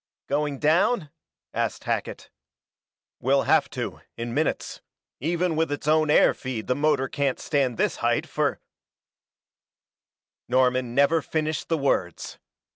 "Going down?" asked Hackett. "We'll have to, in minutes. Even with its own air feed the motor can't stand this height for "Norman never finished the words.